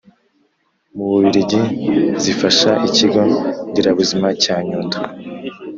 mu bubiligi zifasha ikigo nderabuzima cya nyundo